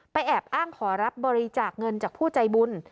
แอบอ้างขอรับบริจาคเงินจากผู้ใจบุญ